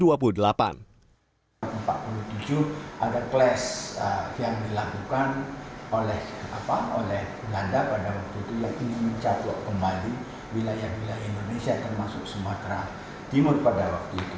ada class yang dilakukan oleh belanda pada waktu itu ingin mencaplok kembali wilayah wilayah indonesia termasuk sumatera timur pada waktu itu